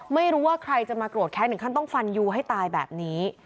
ไม่รู้ว่าใครจะมาโกรธแค้นถึงขั้นต้องฟันยูให้ตายแบบนี้